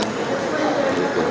yang kelima sampai indonesia